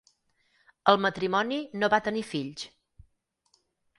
El matrimoni no va tenir fills.